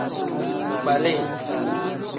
Kpali.